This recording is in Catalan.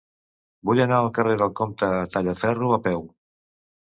Vull anar al carrer del Comte Tallaferro a peu.